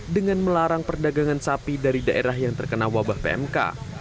dengan melarang perdagangan sapi dari daerah yang terkena wabah pmk